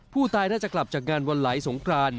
ผู้ตายน่าจะกลับจากงานวันไหลสงคราน